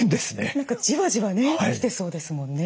何かじわじわね来てそうですもんね。